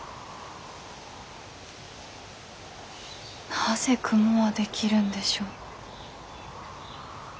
なぜ雲は出来るんでしょう。